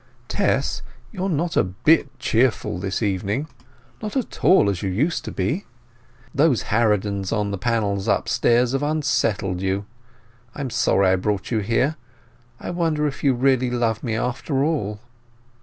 "Tess, you are not a bit cheerful this evening—not at all as you used to be. Those harridans on the panels upstairs have unsettled you. I am sorry I brought you here. I wonder if you really love me, after all?"